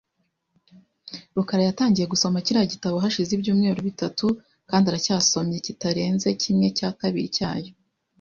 rukara yatangiye gusoma kiriya gitabo hashize ibyumweru bitatu kandi aracyasomye kitarenze kimwe cya kabiri cyacyo .